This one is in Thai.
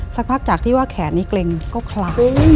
สักพักจากที่ว่าแขนนี้เกร็งก็คละ